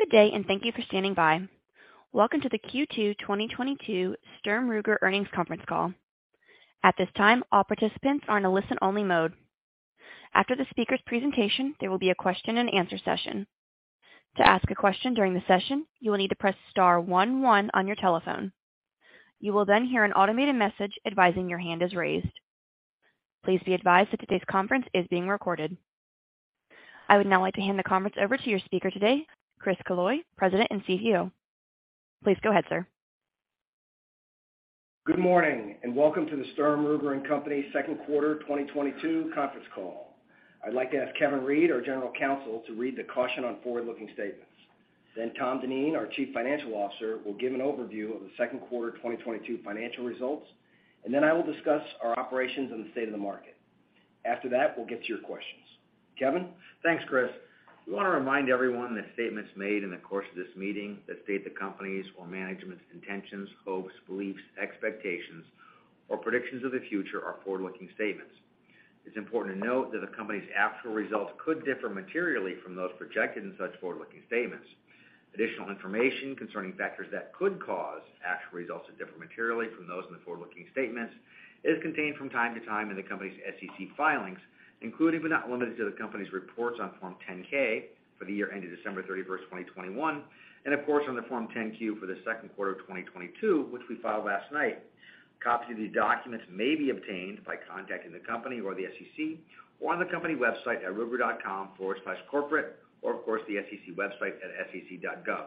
Good day, and thank you for standing by. Welcome to the Q2 2022 Sturm, Ruger Earnings Conference call. At this time, all participants are in a listen-only mode. After the speaker's presentation, there will be a question-and-answer session. To ask a question during the session, you will need to press star one one on your telephone. You will then hear an automated message advising your hand is raised. Please be advised that today's conference is being recorded. I would now like to hand the conference over to your speaker today, Chris Killoy, President and CEO. Please go ahead, sir. Good morning and welcome to the Sturm, Ruger & Company second quarter 2022 conference call. I'd like to ask Kevin Reid, our General Counsel, to read the caution on forward-looking statements. Tom Dineen, our Chief Financial Officer, will give an overview of the second quarter of 2022 financial results, and then I will discuss our operations and the state of the market. After that, we'll get to your questions. Kevin? Thanks, Chris. We wanna remind everyone that statements made in the course of this meeting that state the company's or management's intentions, hopes, beliefs, expectations, or predictions of the future are forward-looking statements. It's important to note that the company's actual results could differ materially from those projected in such forward-looking statements. Additional information concerning factors that could cause actual results to differ materially from those in the forward-looking statements is contained from time to time in the company's SEC filings, including, but not limited to, the company's reports on Form 10-K for the year ended December 31st, 2021, and of course, on the Form 10-Q for the second quarter of 2022, which we filed last night. Copies of these documents may be obtained by contacting the company or the SEC or on the company website at ruger.com/corporate, or of course, the SEC website at sec.gov.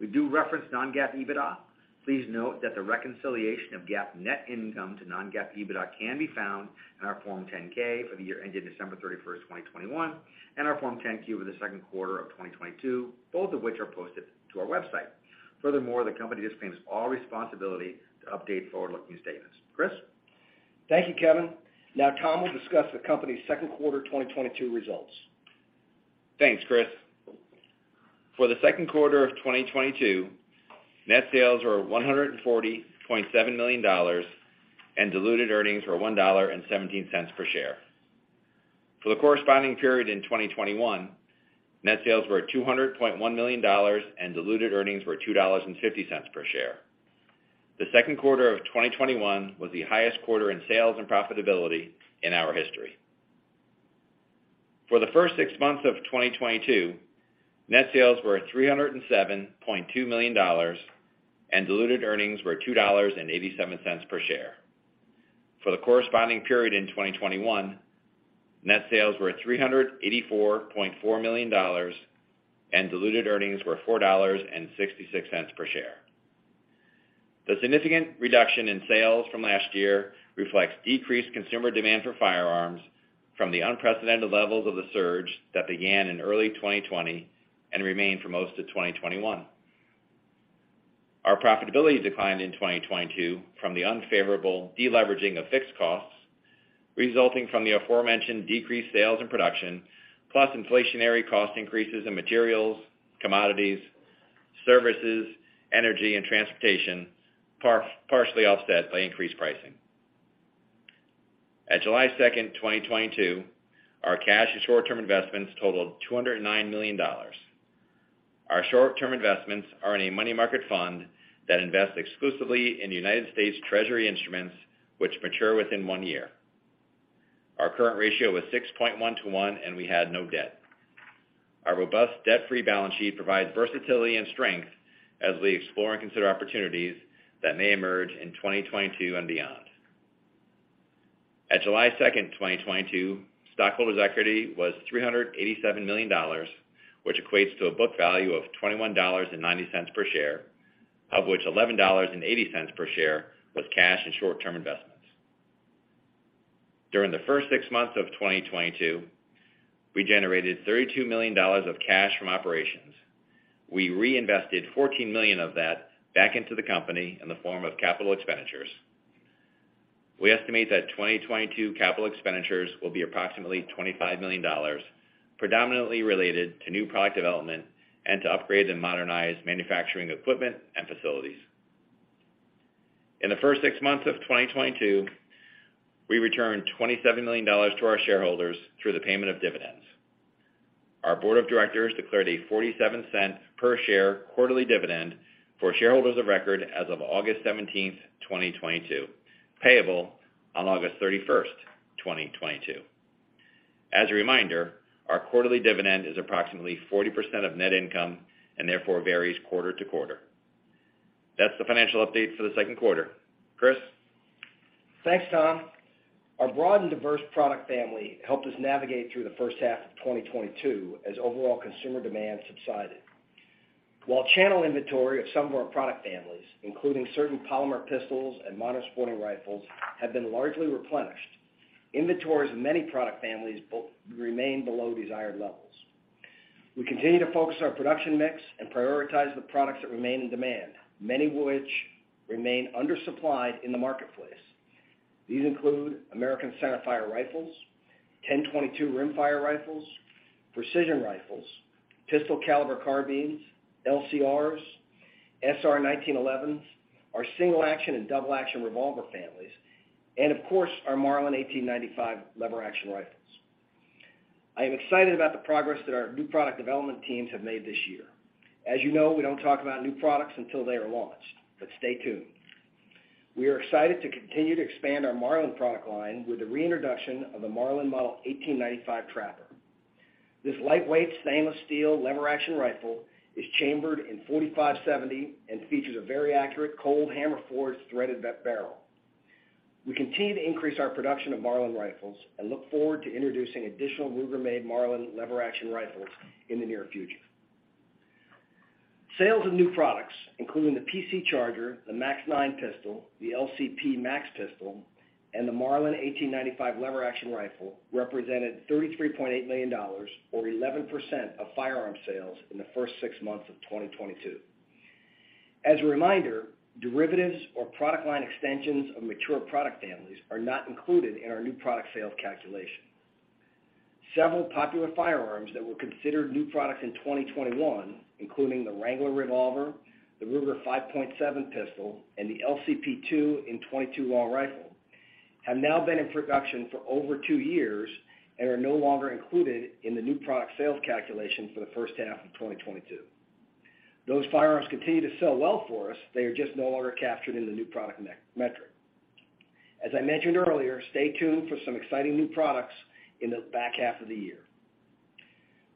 We do reference non-GAAP EBITDA. Please note that the reconciliation of GAAP net income to non-GAAP EBITDA can be found in our Form 10-K for the year ended December 31, 2021, and our Form 10-Q for the second quarter of 2022, both of which are posted to our website. Furthermore, the company disclaims all responsibility to update forward-looking statements. Chris? Thank you, Kevin. Now Tom will discuss the company's second quarter 2022 results. Thanks, Chris. For the second quarter of 2022, net sales were $140.7 million, and diluted earnings were $1.17 per share. For the corresponding period in 2021, net sales were $200.1 million, and diluted earnings were $2.50 per share. The second quarter of 2021 was the highest quarter in sales and profitability in our history. For the first six months of 2022, net sales were $307.2 million, and diluted earnings were $2.87 per share. For the corresponding period in 2021, net sales were $384.4 million, and diluted earnings were $4.66 per share. The significant reduction in sales from last year reflects decreased consumer demand for firearms from the unprecedented levels of the surge that began in early 2020 and remained for most of 2021. Our profitability declined in 2022 from the unfavorable de-leveraging of fixed costs resulting from the aforementioned decreased sales and production, plus inflationary cost increases in materials, commodities, services, energy, and transportation, partially offset by increased pricing. At July 2nd, 2022, our cash and short-term investments totaled $209 million. Our short-term investments are in a money market fund that invests exclusively in United States Treasury instruments which mature within one year. Our current ratio was 6.1:1, and we had no debt. Our robust, debt-free balance sheet provides versatility and strength as we explore and consider opportunities that may emerge in 2022 and beyond. At July 2nd, 2022, stockholders' equity was $387 million, which equates to a book value of $21.90 per share, of which $11.80 per share was cash and short-term investments. During the first six months of 2022, we generated $32 million of cash from operations. We reinvested $14 million of that back into the company in the form of capital expenditures. We estimate that 2022 capital expenditures will be approximately $25 million, predominantly related to new product development and to upgrade and modernize manufacturing equipment and facilities. In the first six months of 2022, we returned $27 million to our shareholders through the payment of dividends. Our board of directors declared a $0.47 per share quarterly dividend for shareholders of record as of August 17th, 2022, payable on August 31st, 2022. As a reminder, our quarterly dividend is approximately 40% of net income and therefore varies quarter to quarter. That's the financial update for the second quarter. Chris? Thanks, Tom. Our broad and diverse product family helped us navigate through the H1 of 2022 as overall consumer demand subsided. While channel inventory of some of our product families, including certain polymer pistols and modern sporting rifles, have been largely replenished, inventories of many product families remain below desired levels. We continue to focus our production mix and prioritize the products that remain in demand, many of which remain undersupplied in the marketplace. These include Ruger American centerfire rifles, 10/22 rimfire rifles, precision rifles, pistol-caliber carbines, LCRs, SR1911s, our single action and double action revolver families, and of course, our Marlin 1895 lever-action rifles. I am excited about the progress that our new product development teams have made this year. As you know, we don't talk about new products until they are launched, but stay tuned. We are excited to continue to expand our Marlin product line with the reintroduction of the Marlin Model 1895 Trapper. This lightweight stainless steel lever-action rifle is chambered in .45-70 and features a very accurate cold hammer-forged threaded barrel. We continue to increase our production of Marlin rifles and look forward to introducing additional Ruger-made Marlin lever-action rifles in the near future. Sales of new products, including the PC Charger, the MAX-9 pistol, the LCP MAX pistol, and the Marlin 1895 lever-action rifle, represented $33.8 million or 11% of firearm sales in the first six months of 2022. As a reminder, derivatives or product line extensions of mature product families are not included in our new product sales calculation. Several popular firearms that were considered new products in 2021, including the Wrangler revolver, the Ruger-5.7 pistol, and the LCP II in .22 Long Rifle, have now been in production for over two years and are no longer included in the new product sales calculation for the H1 of 2022. Those firearms continue to sell well for us. They are just no longer captured in the new product metric. As I mentioned earlier, stay tuned for some exciting new products in the back half of the year.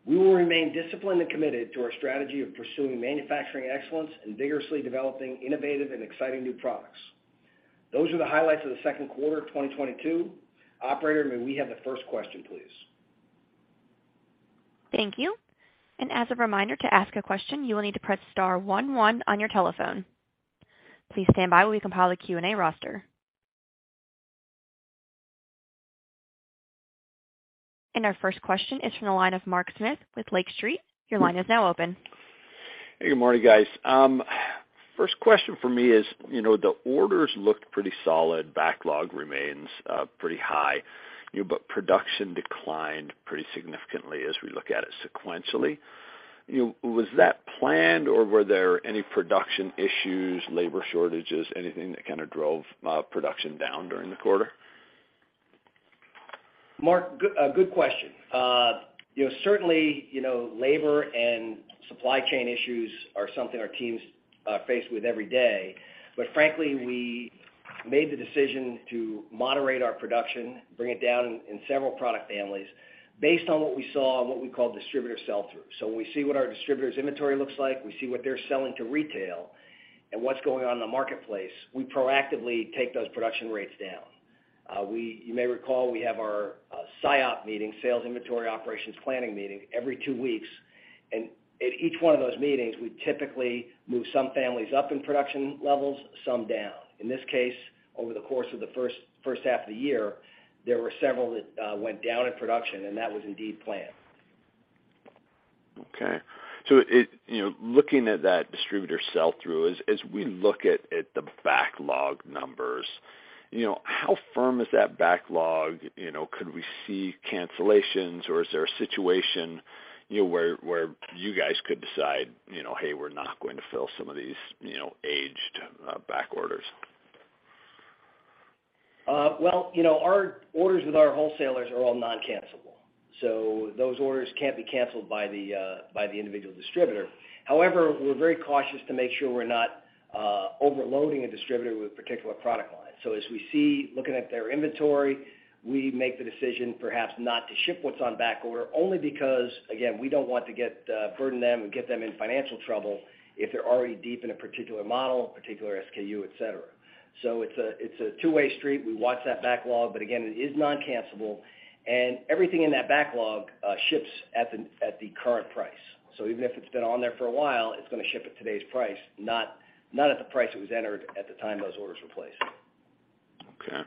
We will remain disciplined and committed to our strategy of pursuing manufacturing excellence and vigorously developing innovative and exciting new products. Those are the highlights of the second quarter of 2022. Operator, may we have the first question, please? Thank you. As a reminder, to ask a question, you will need to press star one one on your telephone. Please stand by while we compile a Q&A roster. Our first question is from the line of Mark Smith with Lake Street. Your line is now open. Hey, good morning, guys. First question for me is, you know, the orders looked pretty solid. Backlog remains pretty high. You know, but production declined pretty significantly as we look at it sequentially. You know, was that planned, or were there any production issues, labor shortages, anything that kinda drove production down during the quarter? Mark good question. You know, certainly, you know, labor and supply chain issues are something our teams are faced with every day. Frankly, we made the decision to moderate our production, bring it down in several product families based on what we saw and what we call distributor sell-through. When we see what our distributor's inventory looks like, we see what they're selling to retail and what's going on in the marketplace, we proactively take those production rates down. You may recall, we have our SIOP meeting, sales inventory operations planning meeting every two weeks. At each one of those meetings, we typically move some families up in production levels, some down. In this case, over the course of the H1 of the year, there were several that went down in production, and that was indeed planned. You know, looking at that distributor sell-through, as we look at the backlog numbers, you know, how firm is that backlog? You know, could we see cancellations, or is there a situation, you know, where you guys could decide, you know, "Hey, we're not going to fill some of these, you know, aged back orders?". Well, you know, our orders with our wholesalers are all non-cancellable, so those orders can't be canceled by the individual distributor. However, we're very cautious to make sure we're not overloading a distributor with a particular product line. As we see, looking at their inventory, we make the decision perhaps not to ship what's on backorder only because, again, we don't want to burden them and get them in financial trouble if they're already deep in a particular model, particular SKU, et cetera. It's a two-way street. We watch that backlog, but again, it is non-cancellable. Everything in that backlog ships at the current price. Even if it's been on there for a while, it's gonna ship at today's price, not at the price it was entered at the time those orders were placed. Okay.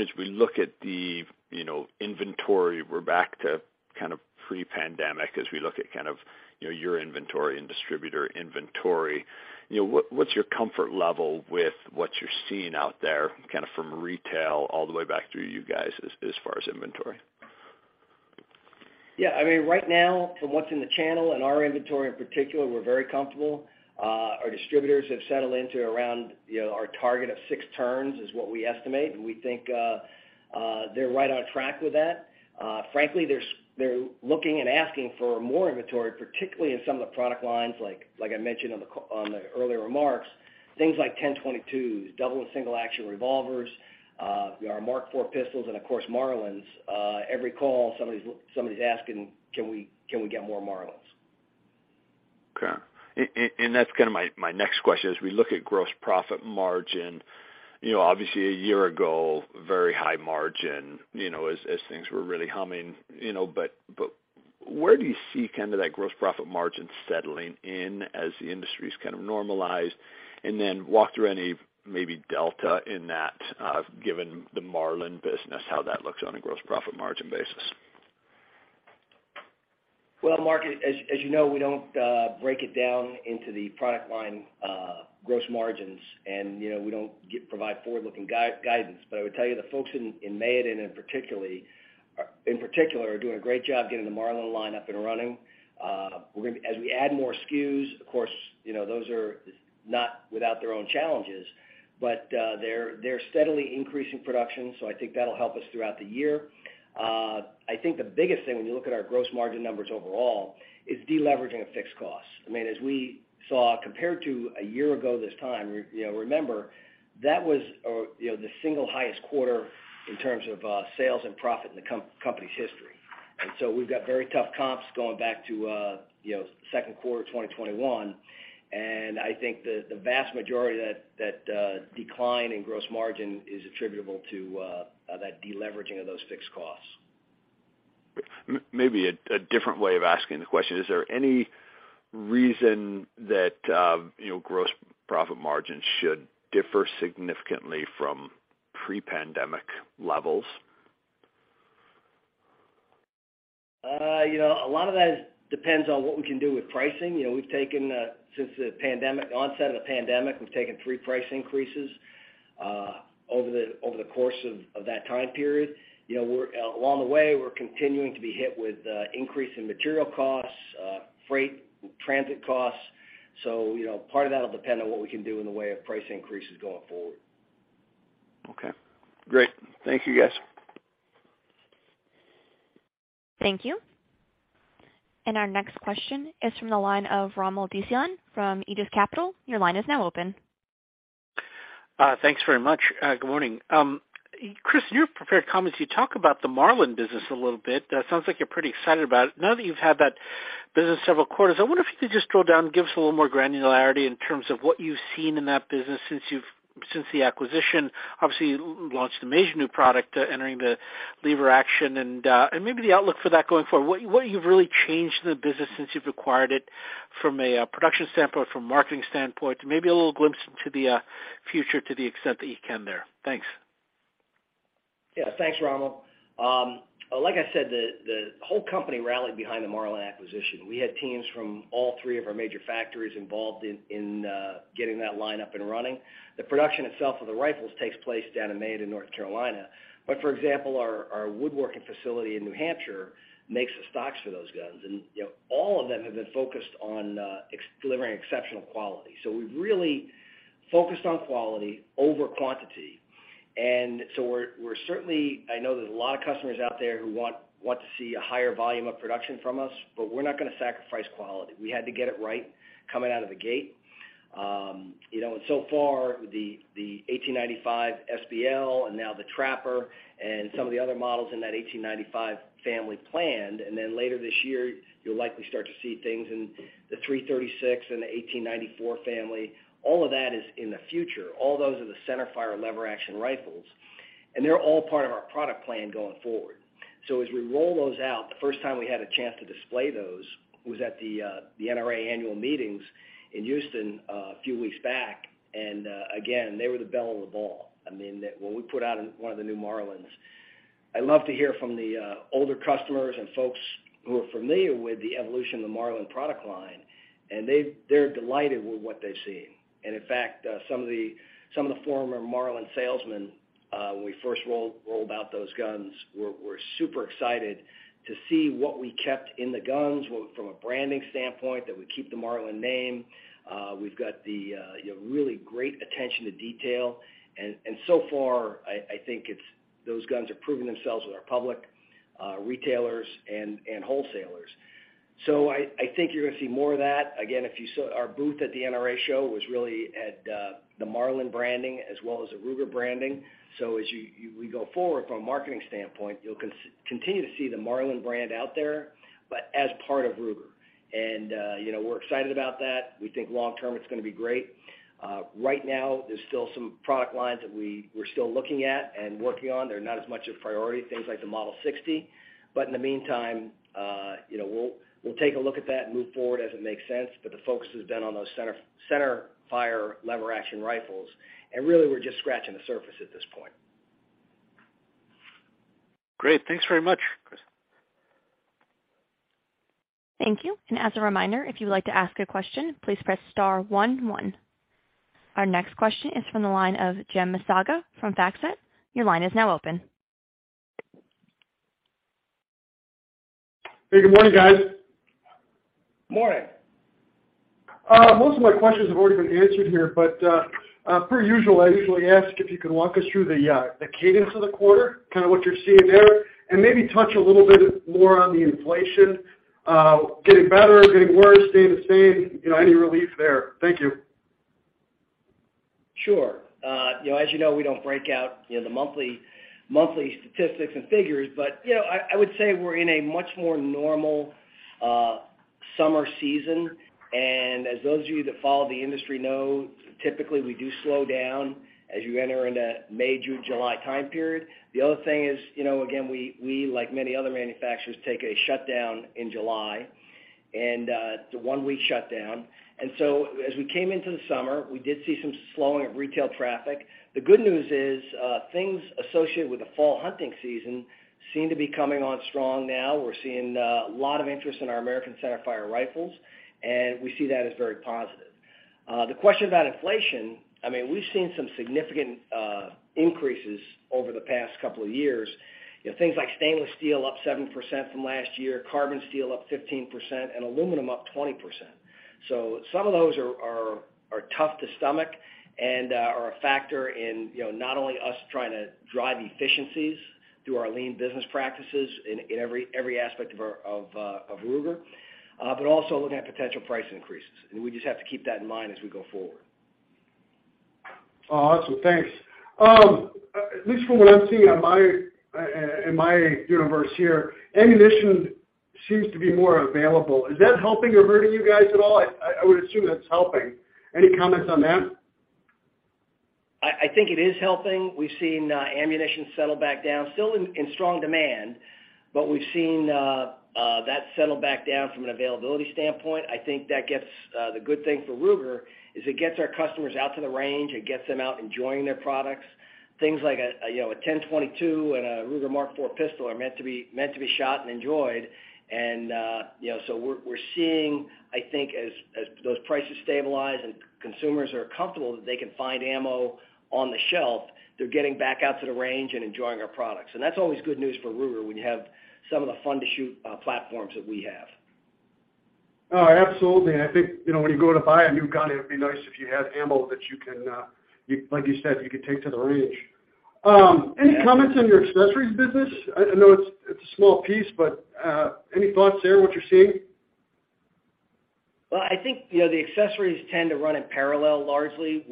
As we look at the, you know, inventory, we're back to kind of pre-pandemic as we look at kind of, you know, your inventory and distributor inventory. You know, what's your comfort level with what you're seeing out there, kind of from retail all the way back through you guys as far as inventory? Yeah. I mean, right now, from what's in the channel and our inventory in particular, we're very comfortable. Our distributors have settled into around, you know, our target of 6 turns is what we estimate, and we think they're right on track with that. Frankly, they're looking and asking for more inventory, particularly in some of the product lines, like I mentioned on the earlier remarks, things like 10/22s, double and single action revolvers, our Mark IV pistols and of course, Marlins. Every call, somebody's asking, "Can we get more Marlins?" Okay. That's kinda my next question. As we look at gross profit margin, you know, obviously a year ago, very high margin, you know, as things were really humming, you know. Where do you see kind of that gross profit margin settling in as the industry's kind of normalized? Then walk through any maybe delta in that, given the Marlin business, how that looks on a gross profit margin basis. Well, Mark, as you know, we don't break it down into the product line gross margins, and, you know, we don't provide forward-looking guidance. I would tell you the folks in Mayodan and particularly in particular are doing a great job getting the Marlin line up and running. As we add more SKUs, of course, you know, those are not without their own challenges, but they're steadily increasing production, so I think that'll help us throughout the year. I think the biggest thing when you look at our gross margin numbers overall is deleveraging of fixed costs. I mean, as we saw, compared to a year ago this time, you know, remember, that was, you know, the single highest quarter in terms of sales and profit in the company's history. We've got very tough comps going back to second quarter of 2021. I think the vast majority of that decline in gross margin is attributable to that deleveraging of those fixed costs. Maybe a different way of asking the question. Is there any reason that, you know, gross profit margins should differ significantly from pre-pandemic levels? You know, a lot of that depends on what we can do with pricing. You know, we've taken three price increases since the onset of the pandemic over the course of that time period. You know, along the way, we're continuing to be hit with increase in material costs, freight, transit costs. You know, part of that will depend on what we can do in the way of price increases going forward. Okay. Great. Thank you guys. Thank you. Our next question is from the line of Rommel Dionisio from Aegis Capital. Your line is now open. Thanks very much. Good morning. Chris, in your prepared comments, you talk about the Marlin business a little bit. It sounds like you're pretty excited about it. Now that you've had that business several quarters, I wonder if you could just drill down and give us a little more granularity in terms of what you've seen in that business since the acquisition. Obviously, you launched a major new product entering the lever-action and maybe the outlook for that going forward. What have you really changed in the business since you've acquired it from a production standpoint, from a marketing standpoint, maybe a little glimpse into the future to the extent that you can there? Thanks. Yeah. Thanks, Rommel. Like I said, the whole company rallied behind the Marlin acquisition. We had teams from all three of our major factories involved in getting that line up and running. The production itself of the rifles takes place down in Mayodan, North Carolina. For example, our woodworking facility in New Hampshire makes the stocks for those guns. You know, all of them have been focused on delivering exceptional quality. We've really focused on quality over quantity. We're certainly. I know there's a lot of customers out there who want to see a higher volume of production from us, but we're not gonna sacrifice quality. We had to get it right coming out of the gate. You know, so far, the 1895 SBL and now the Trapper and some of the other models in that 1895 family planned, and then later this year, you'll likely start to see things in the 336 and the 1894 family. All of that is in the future. All those are the centerfire lever action rifles, and they're all part of our product plan going forward. As we roll those out, the first time we had a chance to display those was at the NRA annual meetings in Houston a few weeks back. Again, they were the belle of the ball. I mean, when we put out one of the new Marlins, I love to hear from the older customers and folks who are familiar with the evolution of the Marlin product line, and they're delighted with what they've seen. In fact, some of the former Marlin salesmen, when we first rolled out those guns, were super excited to see what we kept in the guns from a branding standpoint, that we keep the Marlin name. We've got the, you know, really great attention to detail. So far, I think those guns have proven themselves with our public retailers and wholesalers. I think you're gonna see more of that. Again, if you saw our booth at the NRA show was really at the Marlin branding as well as the Ruger branding. As we go forward from a marketing standpoint, you'll continue to see the Marlin brand out there, but as part of Ruger. You know, we're excited about that. We think long term, it's gonna be great. Right now there's still some product lines that we're still looking at and working on. They're not as much a priority, things like the Model 60. In the meantime, you know, we'll take a look at that and move forward as it makes sense. The focus has been on those centerfire lever action rifles. Really, we're just scratching the surface at this point. Great. Thanks very much, Chris. Thank you. As a reminder, if you would like to ask a question, please press star one one. Our next question is from the line of Jim Missaga from FactSet. Your line is now open. Hey, good morning, guys. Most of my questions have already been answered here, but per usual, I usually ask if you can walk us through the cadence of the quarter, kind of what you're seeing there, and maybe touch a little bit more on the inflation getting better, getting worse, staying the same, you know, any relief there. Thank you. Sure. You know, as you know, we don't break out, you know, the monthly statistics and figures, but, you know, I would say we're in a much more normal summer season. As those of you that follow the industry know, typically we do slow down as you enter into May, June, July time period. The other thing is, you know, again, we like many other manufacturers, take a shutdown in July, and it's a one-week shutdown. As we came into the summer, we did see some slowing of retail traffic. The good news is, things associated with the fall hunting season seem to be coming on strong now. We're seeing a lot of interest in our American centerfire rifles, and we see that as very positive. The question about inflation, I mean, we've seen some significant increases over the past couple of years. You know, things like stainless steel up 7% from last year, carbon steel up 15%, and aluminum up 20%. Some of those are tough to stomach and are a factor in, you know, not only us trying to drive efficiencies through our lean business practices in every aspect of Ruger, but also looking at potential price increases. We just have to keep that in mind as we go forward. Awesome. Thanks. At least from what I'm seeing in my universe here, ammunition seems to be more available. Is that helping or hurting you guys at all? I would assume that's helping. Any comments on that? I think it is helping. We've seen ammunition settle back down. Still in strong demand, but we've seen that settle back down from an availability standpoint. I think that gets the good thing for Ruger is it gets our customers out to the range. It gets them out enjoying their products. Things like, you know, a 10/22 and a Ruger Mark IV pistol are meant to be shot and enjoyed. You know, we're seeing, I think as those prices stabilize and consumers are comfortable that they can find ammo on the shelf, they're getting back out to the range and enjoying our products. That's always good news for Ruger when you have some of the fun-to-shoot platforms that we have. Oh, absolutely. I think, you know, when you go to buy a new gun, it'd be nice if you had ammo that you can, like you said, you could take to the range. Any comments on your accessories business? I know it's a small piece, but, any thoughts there, what you're seeing? Well, I think, you know, the accessories tend to run in parallel largely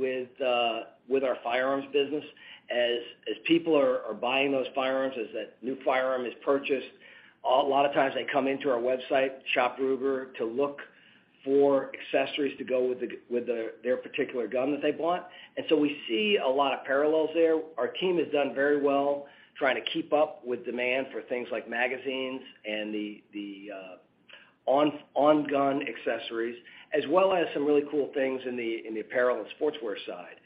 with our firearms business. As people are buying those firearms, as that new firearm is purchased, a lot of times they come into our website, ShopRuger, to look for accessories to go with their particular gun that they want. We see a lot of parallels there. Our team has done very well trying to keep up with demand for things like magazines and the on-gun accessories, as well as some really cool things in the apparel and sportswear side.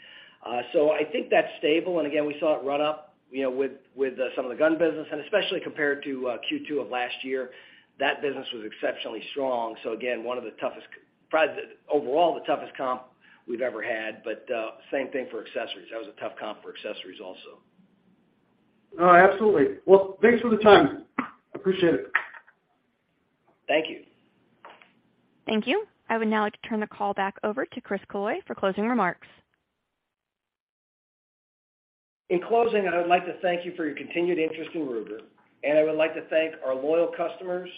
I think that's stable. Again, we saw it run up, you know, with some of the gun business, and especially compared to Q2 of last year, that business was exceptionally strong. Again, one of the toughest, probably the overall toughest comp we've ever had, but same thing for accessories. That was a tough comp for accessories also. No, absolutely. Well, thanks for the time. Appreciate it. Thank you. Thank you. I would now like to turn the call back over to Chris Killoy for closing remarks. In closing, I would like to thank you for your continued interest in Ruger, and I would like to thank our loyal customers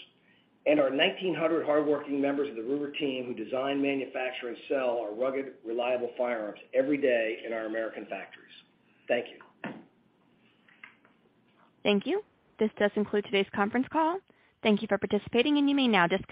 and our 1,900 hardworking members of the Ruger team who design, manufacture, and sell our rugged, reliable firearms every day in our American factories. Thank you. Thank you. This does conclude today's conference call. Thank you for participating, and you may now disconnect.